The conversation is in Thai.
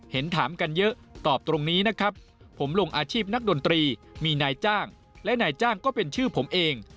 เห็นถามกันเยอะตอบตรงนี้นะครับผมลงอาชีพนักดนตรีมีนายจ้างและนายจ้างก็เป็นชื่อผมเอง